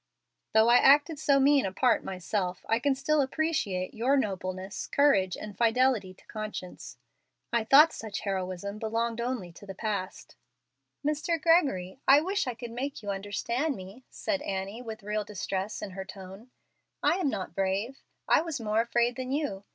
Though I acted so mean a part myself, I can still appreciate your nobleness, courage, and fidelity to conscience. I thought such heroism belonged only to the past." "Mr. Gregory, I wish I could make you understand me," said Annie, with real distress in her tone. "I am not brave; I was more afraid than you.